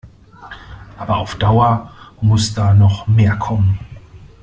Aber auf Dauer muss da noch mehr kommen.